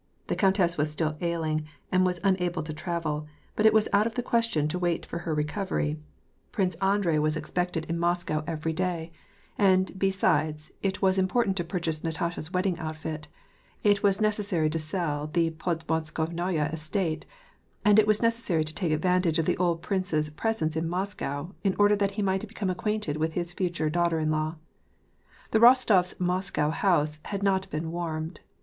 The countess was still ailing, and was unable to travel ; but it was out of the question to wait for her recovery ; Prince Andrei was 350 WAR AND PEACE. expected in Moscow every day ; and, besides, it was important to purchase Natasha's wedding outfit ; it was necessary to sell the podmoskovnaya estate ; and it was necessary to take ad vantage of the old prince's presence in Moscow, in order that he might become acquainted with his future daughter in law. The Rostof s* Moscow house had not been warmed.